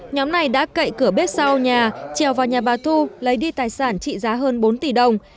nhóm này đã cậy cửa bếp sau nhà trèo vào nhà bà thu lấy đi tài sản trị giá hơn bốn tỷ đồng